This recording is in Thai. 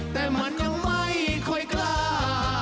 แต่มันยังไม่ค่อยกล้า